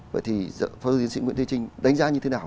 vậy thì phó giáo diễn sĩ nguyễn tây trinh đánh giá như thế nào